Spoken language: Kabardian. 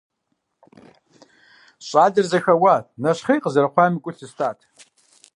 Щӏалэр зэхэуат, нэщхъей къызэрыхъуами гу лъыстат.